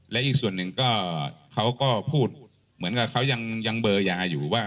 และอีกส่วนหนึ่งก็เขาก็พูดเหมือนกับเขายังเบอร์ยาอยู่ว่า